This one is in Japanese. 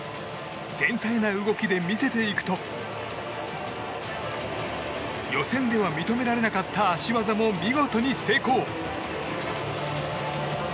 繊細な動きで見せていくと予選では認められなかった脚技も見事に成功。